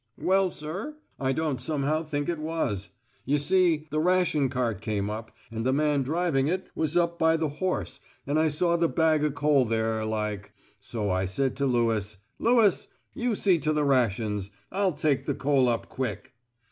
"Well, sir, I don't somehow think it was. You see, the ration cart came up, and the man driving it was up by the horse and I saw the bag o' coal there, like. So I said to Lewis, 'Lewis, you see to the rations. I'll take the coal up quick!